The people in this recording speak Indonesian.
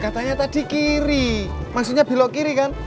katanya tadi kiri maksudnya belok kiri kan